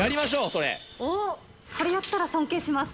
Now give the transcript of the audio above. それやったら尊敬します。